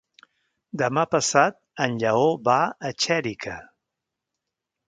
Demà passat en Lleó va a Xèrica.